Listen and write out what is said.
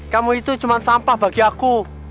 kamu itu cuma sampah bagi aku